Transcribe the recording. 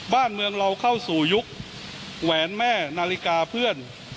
บ้านเมืองเราเข้าสู่ยุคแหวนแม่นาฬิกาเพื่อน